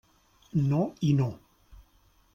No i no.